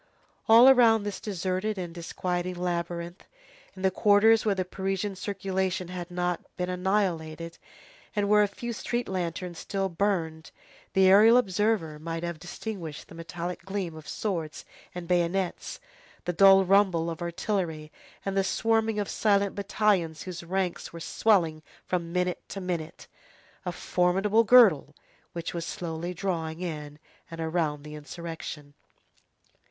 All around this deserted and disquieting labyrinth, in the quarters where the Parisian circulation had not been annihilated, and where a few street lanterns still burned, the aerial observer might have distinguished the metallic gleam of swords and bayonets, the dull rumble of artillery, and the swarming of silent battalions whose ranks were swelling from minute to minute; a formidable girdle which was slowly drawing in and around the insurrection.